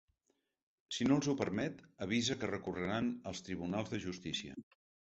Si no els ho permet, avisa que recorreran als tribunals de justícia.